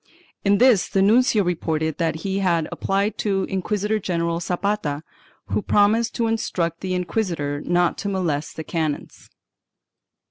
In this the nuncio reported that he had applied to Inquisitor general Zapata, who promised to instruct the inquisitor not to molest the canons.